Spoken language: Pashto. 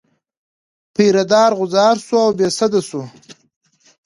پیره دار غوځار شو او بې سده شو.